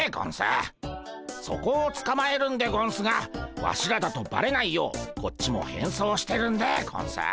そこをつかまえるんでゴンスがワシらだとバレないようこっちも変装してるんでゴンス。